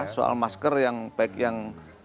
soal masker yang baik yang